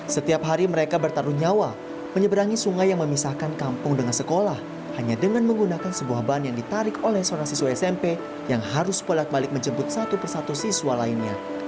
setiap hari mereka bertaruh nyawa menyeberangi sungai yang memisahkan kampung dengan sekolah hanya dengan menggunakan sebuah ban yang ditarik oleh seorang siswa smp yang harus bolak balik menjemput satu persatu siswa lainnya